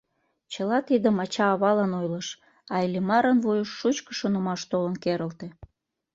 Чыла тидым ача авалан ойлыш, а Иллимарын вуйыш шучко шонымаш толын керылте.